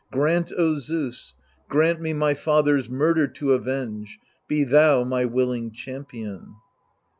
Grant, O Zeus, Grant me my father's murder to avenge — Be thou my willing champion